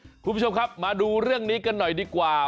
คุณผู้ชมครับมาดูเรื่องนี้กันหน่อยดีกว่า